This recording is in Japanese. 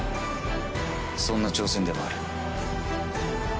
そんな挑戦でもある。